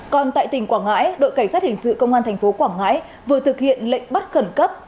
còn tại tỉnh quảng ngãi đội cảnh sát hình sự công an tp quảng ngãi vừa thực hiện lệnh bắt khẩn cấp